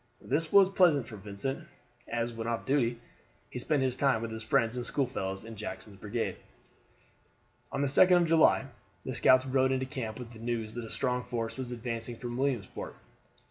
This was pleasant for Vincent, as when off duty he spent his time with his friends and schoolfellows in Jackson's brigade. On the 2d of July the scouts rode into camp with the news that a strong force was advancing from Williamsport.